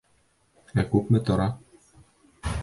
Ә күпме тора?